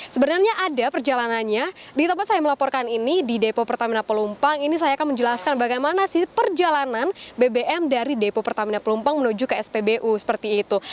sebenarnya ada perjalanannya di tempat saya melaporkan ini di depo pertamina pelumpang ini saya akan menjelaskan bagaimana sih perjalanan bbm dari depo pertamina pelumpang menuju ke spbu seperti itu